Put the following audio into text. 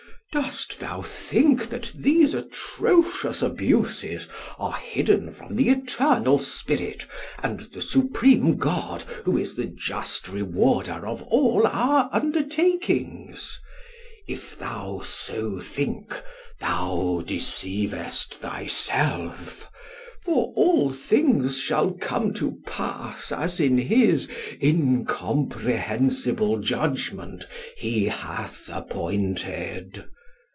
Dost thou think that these atrocious abuses are hidden from the eternal spirit and the supreme God who is the just rewarder of all our undertakings? If thou so think, thou deceivest thyself; for all things shall come to pass as in his incomprehensible judgment he hath appointed.